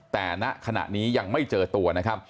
แต่ณขณะนี้ยังไม่เจอตัว